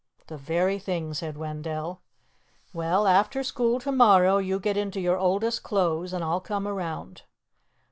"The very thing," said Wendell. "Well, after school to morrow, you get into your oldest clothes, and I'll come around."